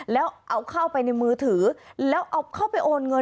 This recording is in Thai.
แล้วเอาเข้าไปในมือถือแล้วเอาเข้าไปโอนเงิน